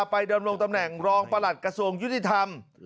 ดำรงตำแหน่งรองประหลัดกระทรวงยุติธรรม